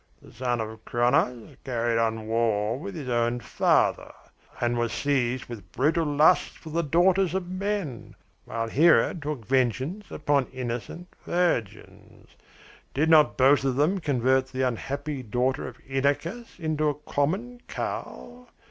The son of Cronos carried on war with his own father, and was seized with brutal lust for the daughters of men, while Hera took vengeance upon innocent virgins. Did not both of them convert the unhappy daughter of Inachos into a common cow?